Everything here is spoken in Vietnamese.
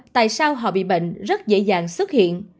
tại sao họ bị bệnh rất dễ dàng xuất hiện